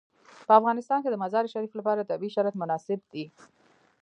په افغانستان کې د مزارشریف لپاره طبیعي شرایط مناسب دي.